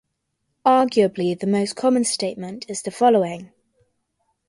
Arguably the most common statement is the following.